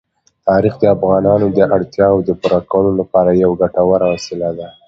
تاریخ د افغانانو د اړتیاوو د پوره کولو لپاره یوه ګټوره وسیله ده.